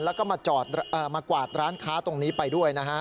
แล้วก็มากวาดร้านค้าตรงนี้ไปด้วยนะฮะ